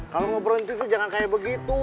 kalau mau berhenti tuh jangan kayak begitu